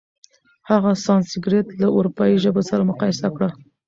هغه سانسکریت له اروپايي ژبو سره مقایسه کړه.